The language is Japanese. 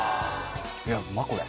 いやうまっこれ。